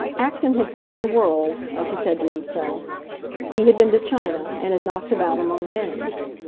Acton had seen the world, as he said to himself; he had been to China and had knocked about among men.